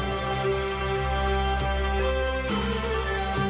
โอ้โหโอ้โหโอ้โห